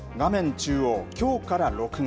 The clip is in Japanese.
中央、きょうから６月。